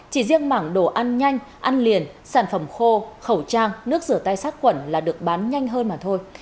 chỉ riêng mảng đồ ăn nhanh ăn liền sản phẩm khô khẩu trang nước rửa tay sát quẩn là được bán nhanh hơn mà thôi